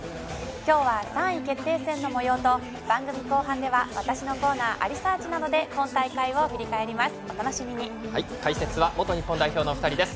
今日は、３位決定戦のもようと番組後半では私のコーナーありサーチなどで今大会を振り返ります。